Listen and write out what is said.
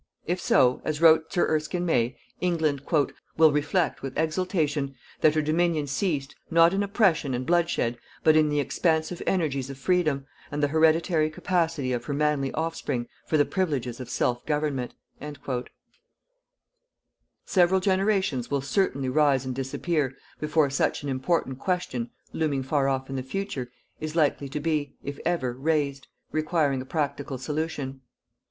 If so, as wrote Sir Erskine May, England "_will reflect, with exultation, that her dominion ceased, not in oppression and bloodshed but in the expansive energies of freedom, and the hereditary capacity of her manly offspring for the privileges of self government_." Several generations will certainly rise and disappear before such an important question, looming far off in the future, is likely to be if ever raised requiring a practical solution.